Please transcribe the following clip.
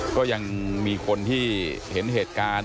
ก็ยังมีคนที่เห็นเหตุการณ์